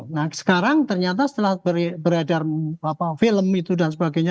nah sekarang ternyata setelah beredar film itu dan sebagainya